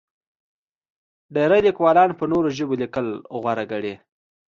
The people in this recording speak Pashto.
ډېری لیکوالان په نورو ژبو لیکل غوره ګڼي.